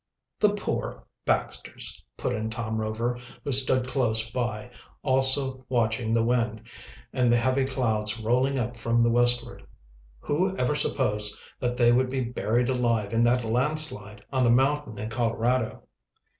"The poor Baxters!" put in Tom Rover, who stood close by, also watching the wind, and the heavy clouds rolling up from the westward. "Who ever supposed that they would be buried alive in that landslide on the mountain in Colorado?"